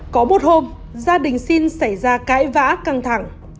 có một hôm gia đình sinh xảy ra cãi vã căng thẳng